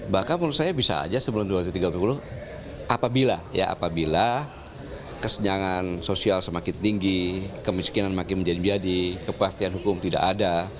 bahkan menurut saya bisa aja sebelum dua ribu tiga puluh apabila kesenjangan sosial semakin tinggi kemiskinan makin menjadi biadi kepastian hukum tidak ada